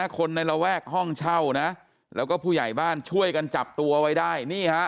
คนในระแวกห้องเช่านะแล้วก็ผู้ใหญ่บ้านช่วยกันจับตัวไว้ได้นี่ฮะ